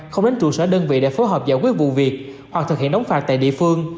không đến trụ sở đơn vị để phối hợp giải quyết vụ việc hoặc thực hiện đóng phạt tại địa phương